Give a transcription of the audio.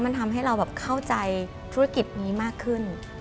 มันทำให้เราเข้าใจธุรกิจนี้มากขึ้น